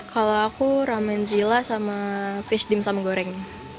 kalau aku ramen zila sama fish dimsum goreng